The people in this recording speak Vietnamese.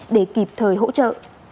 để kịp thời hỗ trợ